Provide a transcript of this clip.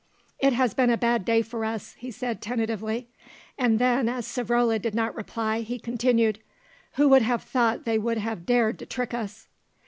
"It has been a bad day for us," he said tentatively; and then as Savrola did not reply, he continued, "Who would have thought they would have dared to trick us?"